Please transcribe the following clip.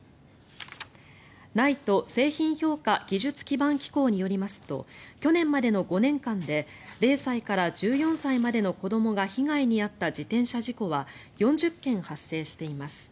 ＮＩＴＥ・製品評価技術基盤機構によりますと去年までの５年間で０歳から１４歳までの子どもが被害に遭った自転車事故は４０件発生しています。